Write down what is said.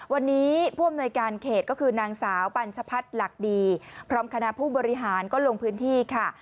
วันนี้ผู้อำนวยการเขตก็คือนางสาวปัญชพัฒน์หลักดีพร้อมคณะผู้บริหารก็ลงพื้นที่ค่ะ